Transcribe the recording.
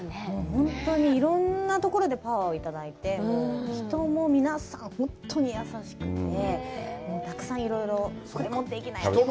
本当にいろんなところでパワーをいただいて、人も、皆さん本当に優しくて、たくさんいろいろこれ、持っていきなよ！とか。